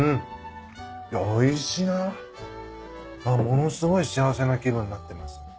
ものすごい幸せな気分になってます。